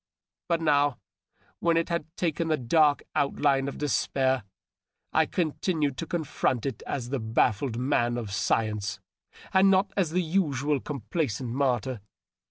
But now, when it had taken the dark outline of despair, I continued to confront it as the ba£9ed man of science and not as the usual complaisant martyr.